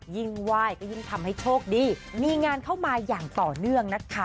ยิ่งไหว้ก็ยิ่งทำให้โชคดีมีงานเข้ามาอย่างต่อเนื่องนะคะ